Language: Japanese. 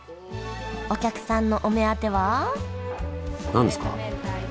お客さんのお目当ては何ですか？